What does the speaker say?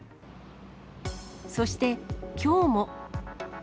そしてきょうも。